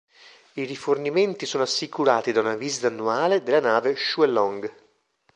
I rifornimenti sono assicurati da una visita annuale della nave Xue Long.